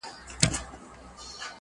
د دې قام د یو ځای کولو -